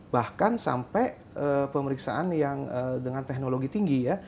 bahkan sampai pemeriksaan yang dengan teknologi tinggi ya